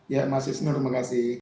ya mas isnur terima kasih